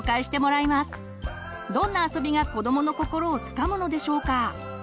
どんなあそびが子どもの心をつかむのでしょうか？